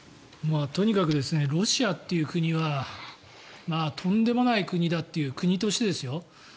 とにかくロシアという国はとんでもない国だという国としてですよ。